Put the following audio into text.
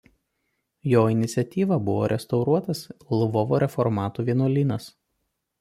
Jo iniciatyva buvo restauruotas Lvovo reformatų vienuolynas.